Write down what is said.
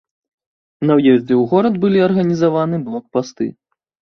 На ўездзе ў горад былі арганізаваны блокпасты.